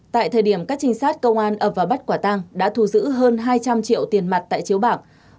tại thời điểm các trinh sát công an ập vào bắt quả tăng đã thu giữ hơn hai trăm linh triệu tiền mặt tại chiếu bạc